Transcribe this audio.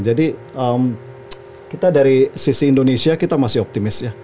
jadi kita dari sisi indonesia kita masih optimis ya